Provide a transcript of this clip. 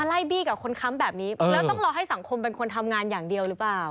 ไล่บี้กับคนค้ำแบบนี้แล้วต้องรอให้สังคมเป็นคนทำงานอย่างเดียวหรือเปล่า